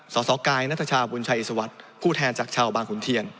สสกายนัทชาบุญชัยอิสวัสดิ์ผู้แทนจากชาวบางขุนเทียน